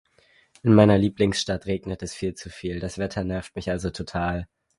In meiner Lieblingsstadt regnet es viel zu viel, das Wetter nervt mich also total.